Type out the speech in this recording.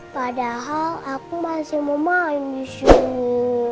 padahal aku masih mau main di sini